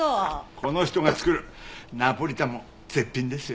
この人が作るナポリタンも絶品ですよ。